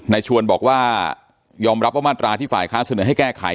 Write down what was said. ชวนบอกว่ายอมรับว่ามาตราที่ฝ่ายค้านเสนอให้แก้ไข